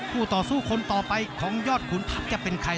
ต่อสู้คนต่อไปของยอดขุนทัพจะเป็นใคร